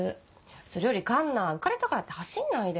それより奏奈浮かれたからって走んないでよ。